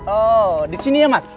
oh disini ya mas